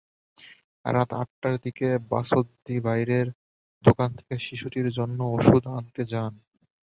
রাত আটটার দিকে বাছদ্দি বাইরের দোকান থেকে শিশুটির জন্য ওষুধ আনতে যান।